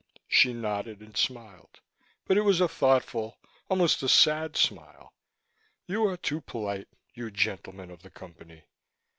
She nodded and smiled, but it was a thoughtful, almost a sad, smile. "You are too polite, you gentlemen of the Company.